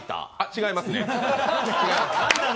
違いますね。